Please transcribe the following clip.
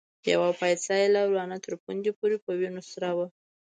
يوه پايڅه يې له ورانه تر پوندې پورې په وينو سره وه.